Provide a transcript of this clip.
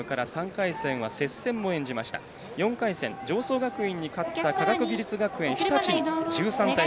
４回戦常総学院に勝った科学技術学園日立１３対３。